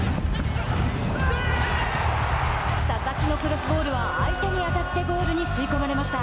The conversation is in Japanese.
佐々木のクロスボールは相手に当たってゴールに吸い込まれました。